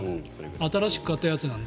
新しく買ったやつなので。